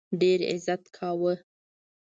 ډېر عزت کاوه.